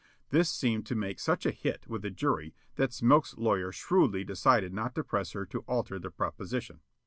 This seemed to make such a hit with the jury that Smilk's lawyer shrewdly decided not to press her to alter the preposition.